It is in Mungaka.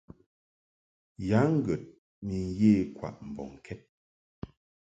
Ya ŋgəd ni ye kwaʼ mbɔŋkɛd.